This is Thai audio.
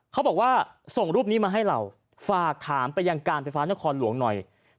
เขาบอกว่าส่งรูปนี้มาให้เราฝากถามไปยังการไฟฟ้านครหลวงหน่อย